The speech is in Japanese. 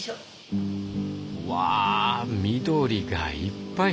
うわ緑がいっぱい。